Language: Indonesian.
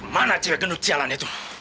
mana ciri gendut jalan itu